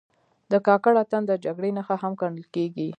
د کاکړ اتن د جګړې نښه هم ګڼل کېږي.